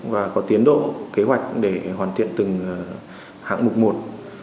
và có tiến độ kế hoạch để hoàn thiện từng hạng mục một